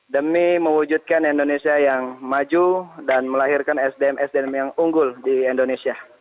demi mewujudkan indonesia yang maju dan melahirkan sdm sdm yang unggul di indonesia